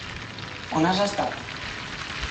On has estat?